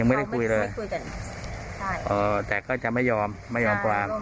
ยังไม่ได้คุยเลยใช่อ๋อแต่ก็จะไม่ยอมไม่ยอมความใช่